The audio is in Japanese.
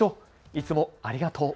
いつもありがとう。